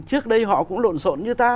trước đây họ cũng lộn xộn như ta